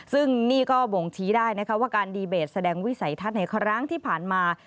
ซึ่งนี่ก็โผงทีได้ว่าการดีเบตแสดงวิสัยธัฬในครั้งที่ผ่านมา